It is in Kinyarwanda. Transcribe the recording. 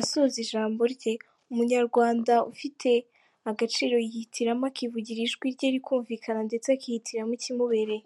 Asoza ijambo rye “Umunyarwanda ufite agaciro yihitiramo, akivugira ijwi rye rikumvikana, ndetse akihitiramo ikimubereye.